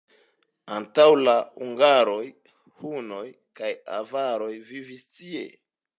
Antaŭ la hungaroj hunoj kaj avaroj vivis tie.